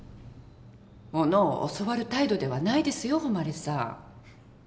ものを教わる態度ではないですよ誉さん。